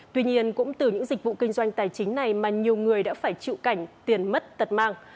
tuy nhiên cũng từ những dịch vụ kinh doanh tài chính này mà nhiều người đã phải chịu cảnh tiền mất tật mang